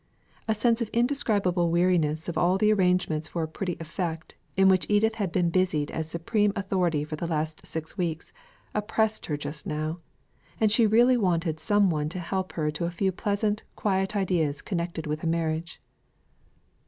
A sense of indescribable weariness of all the arrangements for a pretty effect, in which Edith had been busied as supreme authority for the last six weeks, oppressed her just now; and she really wanted some one to help her to a few pleasant, quiet ideas connected with a marriage.